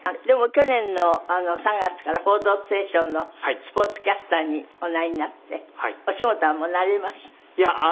でも去年の３月から『報道ステーション』のスポーツキャスターにおなりになってお仕事はもう慣れました？